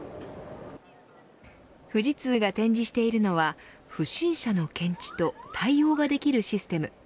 富士通が展示しているのは不審者の検知と対応ができるシステム。